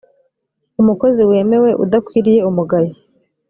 umukozi wemewe udakwiriye umugayo